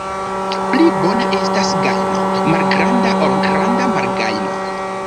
Pli bona estas gajno malgranda, ol granda malgajno.